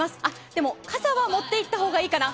でも、傘は持って行ったほうがいいかな。